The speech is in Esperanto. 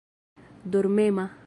dormema